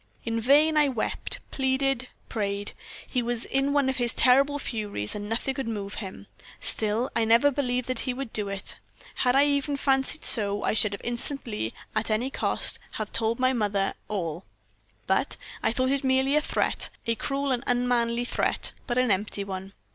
In vain I wept, pleaded, prayed. He was in one of his terrible furies, and nothing could move him. Still, I never believed that he would do it. Had I even fancied so, I should have instantly, at any cost, have told my mother all; but I thought it merely a threat, a cruel and unmanly threat, but an empty one.